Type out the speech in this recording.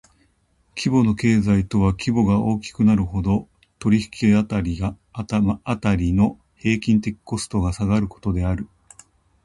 規模の経済とは規模が大きくなるほど、取引辺りの平均的コストが下がることである。